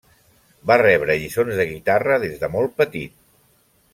Va rebre lliçons de guitarra des de molt petit.